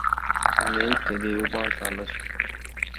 Mul jäi ikkagi ju baas alles.